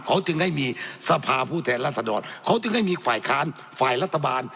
เขาจึงได้มีสภาผู้แทนรัศดรเขาจึงได้มีฝ่ายค้านฝ่ายรัฐบาล